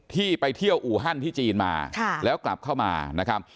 ที่ไปเที่ยวอูฮันที่จีนมาแล้วกลับเข้ามานะครับ